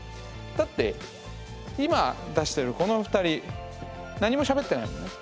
だって今出してるこの２人何もしゃべってないもんね。